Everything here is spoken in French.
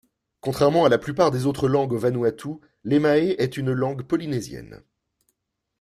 Contrairement à la plupart des autres langues au Vanuatu, l’emae est une langue polynésienne.